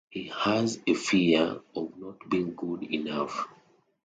He has a fear of not being good enough.